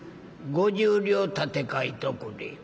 「５０両立て替えとくれ」。